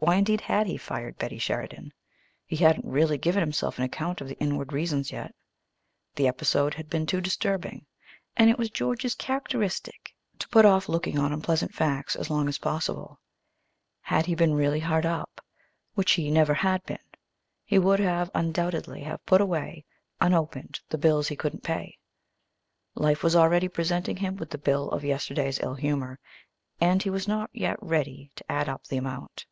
Why, indeed, had he fired Betty Sheridan? He hadn't really given himself an account of the inward reasons yet. The episode had been too disturbing; and it was George's characteristic to put off looking on unpleasant facts as long as possible. Had he been really hard up, which he never had been, he would undoubtedly have put away, unopened, the bills he couldn't pay. Life was already presenting him with the bill of yesterday's ill humor, and he was not yet ready to add up the amount.